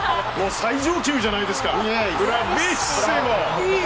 最上級じゃないですか。